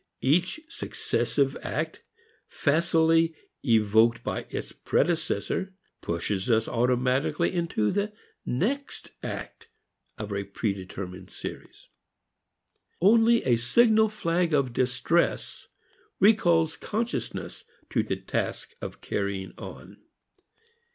Each successive act facilely evoked by its predecessor pushes us automatically into the next act of a predetermined series. Only a signal flag of distress recalls consciousness to the task of carrying on.